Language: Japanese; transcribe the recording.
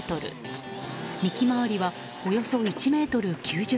幹回りはおよそ１ｍ９０ｃｍ。